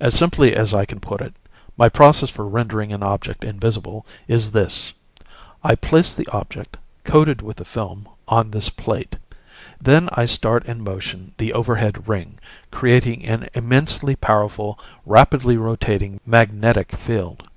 "As simply as I can put it, my process for rendering an object invisible is this: I place the object, coated with the film, on this plate. Then I start in motion the overhead ring, creating an immensely powerful, rapidly rotating magnetic field.